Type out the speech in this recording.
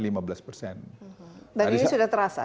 dan ini sudah terasa dampaknya sudah berhasil